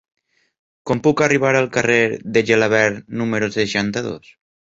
Com puc arribar al carrer de Gelabert número seixanta-dos?